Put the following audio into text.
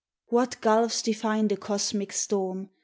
What gulfs define the cosmic storm!